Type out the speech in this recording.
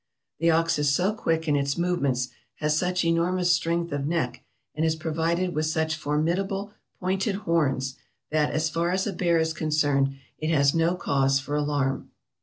The ox is so quick in its movements, has such enormous strength of neck, and is provided with such formidable, pointed horns, that, as far as a bear is concerned, it has no cause for alarm.